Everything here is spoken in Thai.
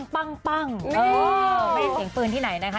ปั้งเอ้อไม่เห็นเสียงปืนที่ไหนนะคะ